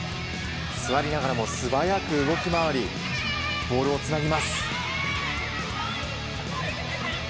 座りながらも素早く動き回りボールをつなぎます。